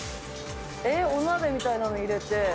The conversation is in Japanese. お鍋みたいなの入れて。